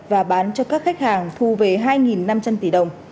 và bán cho các khách hàng thu về hai năm trăm linh tỷ đồng